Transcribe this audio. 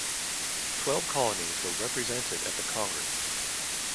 Twelve colonies were represented at the Congress.